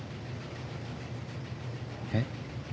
えっ？